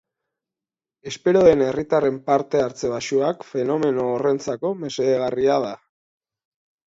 Espero den herritarren parte hartze baxuak fenomeno horrentzako mesedegarrua da.